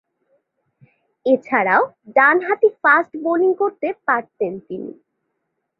এছাড়াও, ডানহাতি fast bowling করতে পারতেন তিনি।